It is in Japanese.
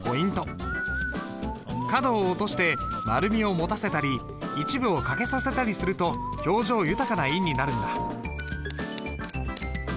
角を落として丸みを持たせたり一部を欠けさせたりすると表情豊かな印になるんだ。